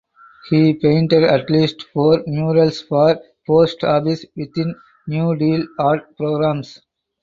He painted at least four murals for post offices within New Deal art programs.